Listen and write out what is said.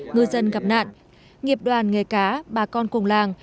ngư dân gặp nạn nghiệp đoàn nghề cá bà con cùng làng